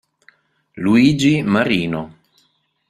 Luigi Marino